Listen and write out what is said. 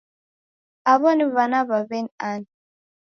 Aw'o ni w'ana w'a w'eni ani